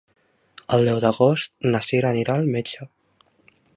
El deu d'agost na Cira anirà al metge.